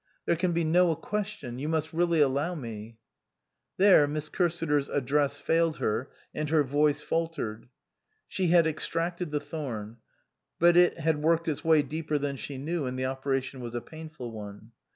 There can be 110 question you must really allow me " There Miss Cursiter's address failed her and her voice faltered. She had extracted the thorn ; but it had worked its way deeper than she knew, and the operation was a painful one.